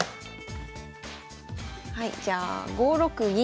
はいじゃあ５六銀。